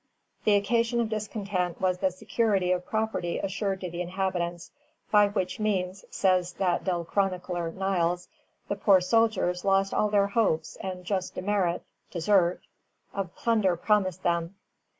The occasion of discontent was the security of property assured to the inhabitants, "by which means," says that dull chronicler, Niles, "the poor soldiers lost all their hopes and just demerit [desert] of plunder promised them."